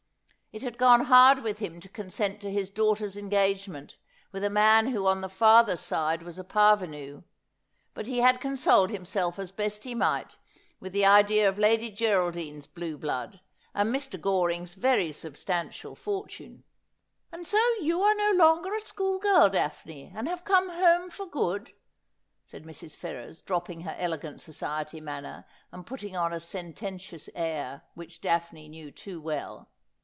It had gone hard with him to consent to bis daughter's engagement with a man who on the father's side was a parvenu ; but he had consoled himself as best he might with the idea of Lady Geraldine's blue blood, and Mr. Goring's very substantial fortune. 74 Asphodel. ' And so you are no longer a school girl, Daphne, and have come home for good,' said Mrs. Ferrers, dropping her elegant society manner and putting on a sententious air, which Daphne knew too well.